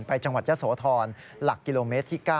จังหวัดยะโสธรหลักกิโลเมตรที่๙